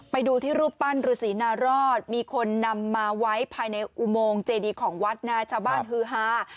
ไปดูที่รูปปั้นฤษีนารอดมีคนนำมาไว้ภายในอุโมงเจดีของวัดนะชาวบ้านฮือฮา